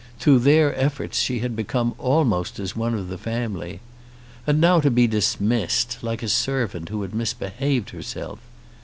Through their efforts she had become almost as one of the family. And now to be dismissed, like a servant who had misbehaved herself!